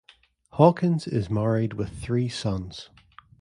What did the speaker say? Hawkins is married with three sons.